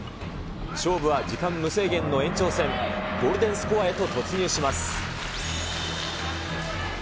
勝負は時間無制限の延長戦、ゴールデンスコアへと突入します。